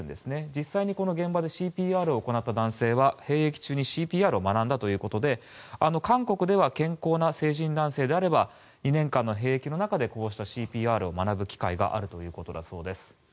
実際にこの現場でＣＰＲを行った男性は兵役中にＣＰＲを学んだということで韓国では健康な成人男性であれば２年間の兵役の中でこうしたＣＰＲを学ぶ機会があるということだそうです。